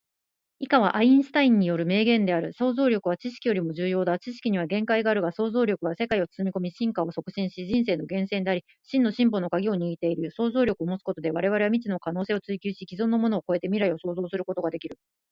以下はアインシュタインによる名言である。「想像力は知識よりも重要だ。知識には限界があるが、想像力は世界を包み込み、進化を促進し、人生の源泉であり、真の進歩の鍵を握っている。想像力を持つことで、我々は未知の可能性を追求し、既存のものを超えて未来を創造することができる」